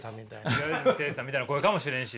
平泉成さんみたいな声かもしれんし。